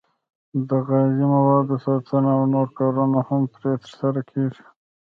د غذایي موادو ساتنه او نور کارونه هم پرې ترسره کېږي.